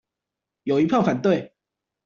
有一票反對